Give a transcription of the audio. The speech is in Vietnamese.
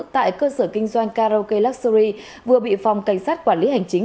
tại cơ sở kinh doanh karaoke luxury vừa bị phòng cảnh sát quản lý hành chính